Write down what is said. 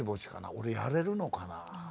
俺やれるのかな？